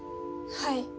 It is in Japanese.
はい。